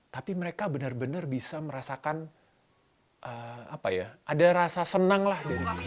tapi mereka benar benar bisa merasakan ada rasa senang lah